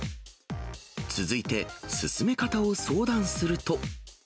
続いて、進め方を相談すると。